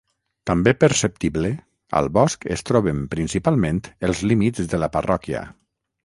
També perceptible, al bosc es troben principalment els límits de la parròquia.